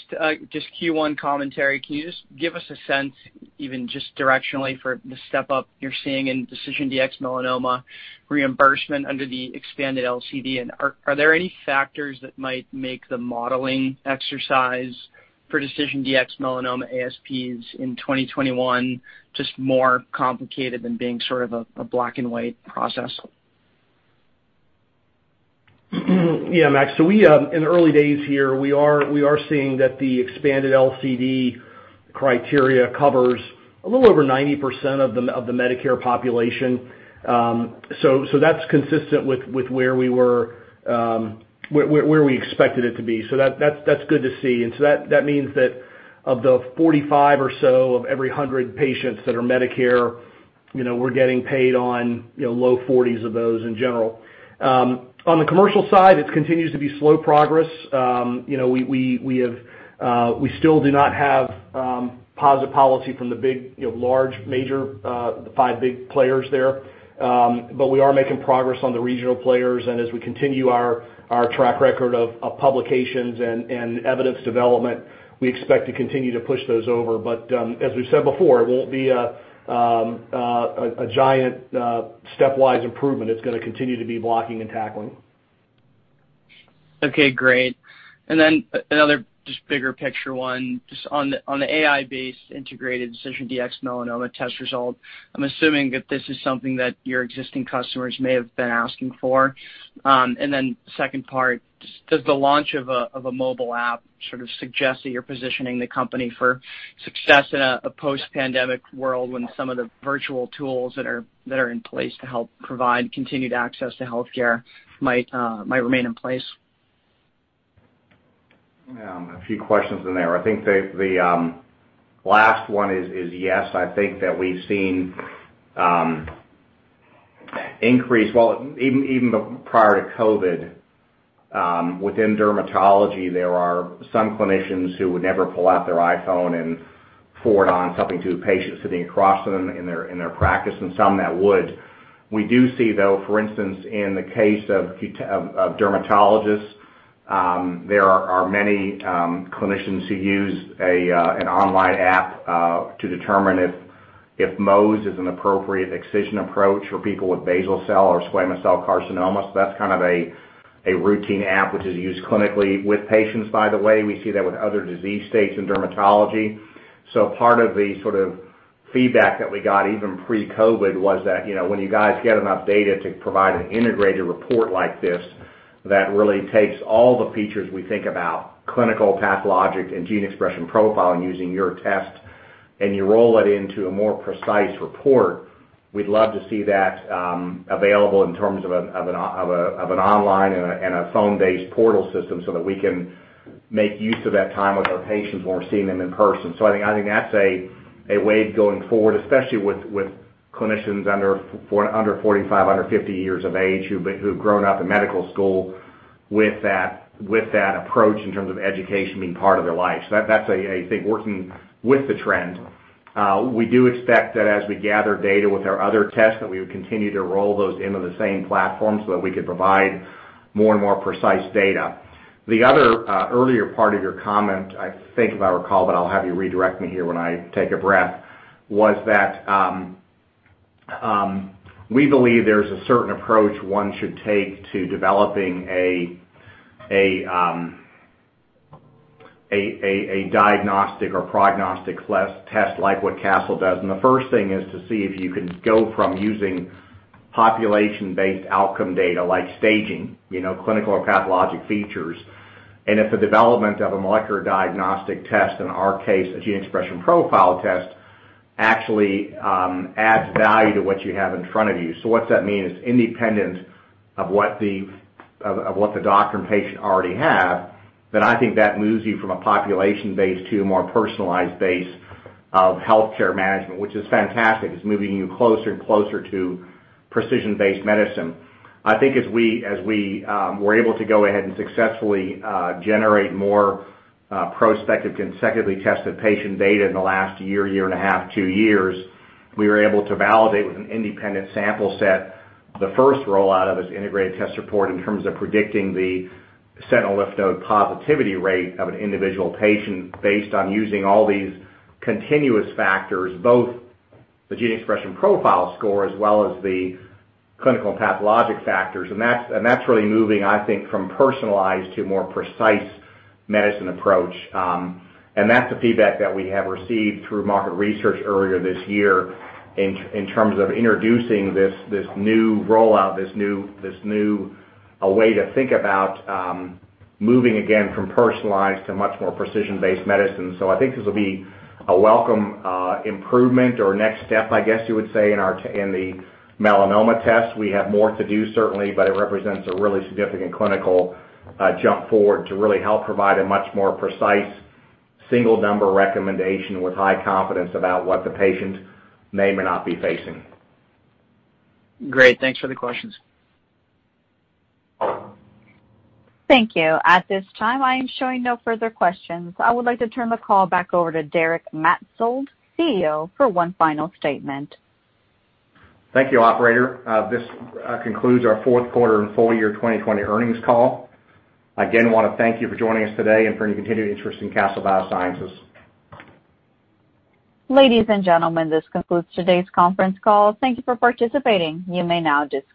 Q1 commentary. Can you just give us a sense, even just directionally, for the step-up you're seeing in DecisionDx-Melanoma reimbursement under the expanded LCD? And are there any factors that might make the modeling exercise for DecisionDx-Melanoma ASPs in 2021 just more complicated than being sort of a black-and-white process? Yeah, Max. In the early days here, we are seeing that the expanded LCD criteria covers a little over 90% of the Medicare population. That's consistent with where we were, where we expected it to be. That's good to see. That means that of the 45 or so of every 100 patients that are Medicare, we're getting paid on low 40s of those in general. On the commercial side, it continues to be slow progress. We still do not have positive policy from the big, large, major five big players there. We are making progress on the regional players. As we continue our track record of publications and evidence development, we expect to continue to push those over. As we've said before, it won't be a giant stepwise improvement. It's going to continue to be blocking and tackling. Okay. Great. Another just bigger picture one. Just on the AI-based integrated DecisionDx-Melanoma test result, I'm assuming that this is something that your existing customers may have been asking for. The second part, does the launch of a mobile app sort of suggest that you're positioning the company for success in a post-pandemic world when some of the virtual tools that are in place to help provide continued access to healthcare might remain in place? A few questions in there. I think the last one is yes. I think that we've seen increase—well, even prior to COVID, within dermatology, there are some clinicians who would never pull out their iPhone and forward on something to a patient sitting across from them in their practice and some that would. We do see, though, for instance, in the case of dermatologists, there are many clinicians who use an online app to determine if Mohs is an appropriate excision approach for people with basal cell or squamous cell carcinoma. That's kind of a routine app which is used clinically with patients, by the way. We see that with other disease states in dermatology. Part of the sort of feedback that we got even pre-COVID was that when you guys get enough data to provide an integrated report like this that really takes all the features we think about—clinical, pathologic, and gene expression profile—and using your test and you roll that into a more precise report, we'd love to see that available in terms of an online and a phone-based portal system so that we can make use of that time with our patients when we're seeing them in person. I think that's a wave going forward, especially with clinicians under 45, under 50 years of age who've grown up in medical school with that approach in terms of education being part of their life. I think, working with the trend, we do expect that as we gather data with our other tests, we would continue to roll those into the same platform so that we could provide more and more precise data. The other earlier part of your comment, I think if I recall, but I'll have you redirect me here when I take a breath, was that we believe there's a certain approach one should take to developing a diagnostic or prognostic test like what Castle does. The first thing is to see if you can go from using population-based outcome data like staging, clinical or pathologic features, and if the development of a molecular diagnostic test, in our case, a gene expression profile test, actually adds value to what you have in front of you. What's that mean? It's independent of what the doctor and patient already have. I think that moves you from a population-based to a more personalized base of healthcare management, which is fantastic. It's moving you closer and closer to precision-based medicine. I think as we were able to go ahead and successfully generate more prospective consecutively tested patient data in the last year, year and a half, two years, we were able to validate with an independent sample set the first rollout of this integrated test report in terms of predicting the sentinel lymph node positivity rate of an individual patient based on using all these continuous factors, both the gene expression profile score as well as the clinical and pathologic factors. That's really moving, I think, from personalized to a more precise medicine approach. That's the feedback that we have received through market research earlier this year in terms of introducing this new rollout, this new way to think about moving again from personalized to much more precision-based medicine. I think this will be a welcome improvement or next step, I guess you would say, in the melanoma test. We have more to do, certainly, but it represents a really significant clinical jump forward to really help provide a much more precise single-number recommendation with high confidence about what the patient may or may not be facing. Great. Thanks for the questions. Thank you. At this time, I am showing no further questions. I would like to turn the call back over to Derek Maetzold, CEO, for one final statement. Thank you, Operator. This concludes our fourth quarter and full year 2020 earnings call. Again, want to thank you for joining us today and for your continued interest in Castle Biosciences. Ladies and gentlemen, this concludes today's conference call. Thank you for participating. You may now disconnect.